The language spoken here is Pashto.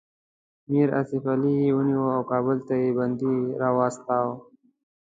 میر آصف علي یې ونیو او کابل ته یې بندي راووست.